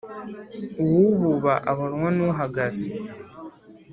Uwububa abonwa n’uhagaze.